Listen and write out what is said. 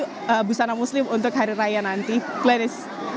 kalau muslim untuk hari raya nanti glenis